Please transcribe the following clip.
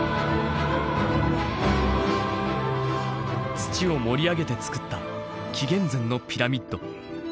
土を盛り上げて造った紀元前のピラミッド。